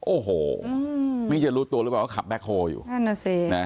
โอ้โหนี่จะรู้ตัวหรือเปล่าว่าขับแบ็คโฮลอยู่นั่นน่ะสินะ